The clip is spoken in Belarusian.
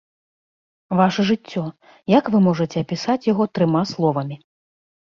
Ваша жыццё, як вы можаце апісаць яго трыма словамі?